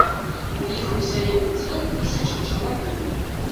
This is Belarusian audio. У іх узялі ўдзел тысячы чалавек.